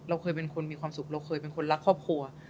เราเคยเป็นคนมีความสุขเราเคยเป็นคนรักครอบครัว